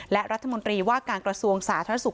และรัฐมนตรีว่าการกระทรวงสาธารณสุข